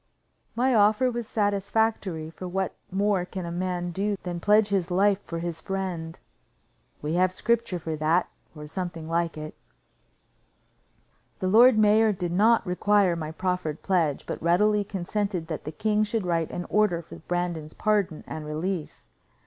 My offer was satisfactory, for what more can a man do than pledge his life for his friend? We have scripture for that, or something like it. The lord mayor did not require my proffered pledge, but readily consented that the king should write an order for Brandon's pardon and release.